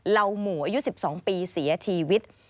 เหล่าหมู่อายุ๑๒ปีเสียชีวิต